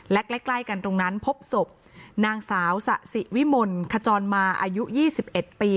และใกล้ใกล้กันตรงนั้นพบศพนางสาวสะสิวิมลขจรมาอายุยี่สิบเอ็ดปี